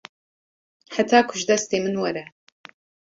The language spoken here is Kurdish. heta ku ji destê min were